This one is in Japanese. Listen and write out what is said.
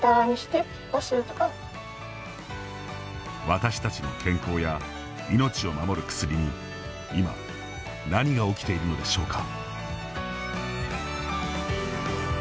私たちの健康や命を守る薬に今、何が起きているのでしょうか。